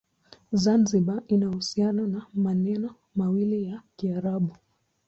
Zanzibar ina uhusiano na maneno mawili ya Kiarabu.